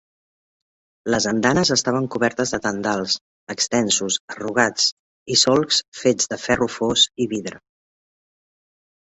Les andanes estaven cobertes de tendals extensos arrugats i solcs fets de ferro fos i vidre.